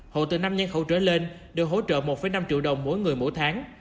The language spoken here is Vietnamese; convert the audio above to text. hộ từ năm nhân khẩu trở lên được hỗ trợ một năm triệu đồng mỗi người mỗi tháng